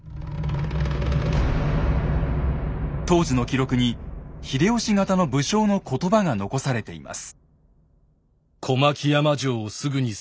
当時の記録に秀吉方の武将の言葉が残されています。